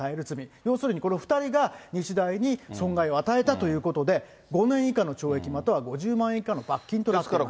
要するにこの２人が日大に損害を与えたということで、５年以下の懲役または５０万円以下の罰金となってます。